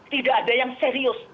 tidak ada yang serius